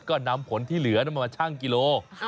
ก็นำผลที่เหลือมาชั่งกิโล